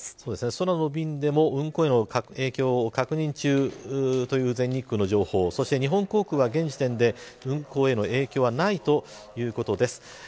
空の便でも、運航への影響を確認中という全日空の情報日本航空は現時点での運航への影響はないということです。